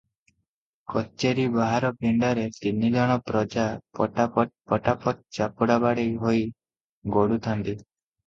କଚେରି ବାହାର ପିଣ୍ତାରେ ତିନିଜଣ ପ୍ରଜା ପଟାପଟ୍ ପଟାପଟ୍ ଚାପୁଡ଼ା ବାଡ଼େଇ ହୋଇ ଗଡୁଥାନ୍ତି ।